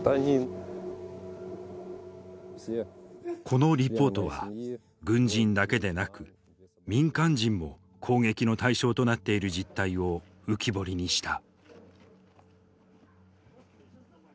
このリポートは軍人だけでなく民間人も攻撃の対象となっている実態を浮き彫りにした。